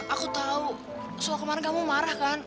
aku tahu soal kemarin kamu marah kan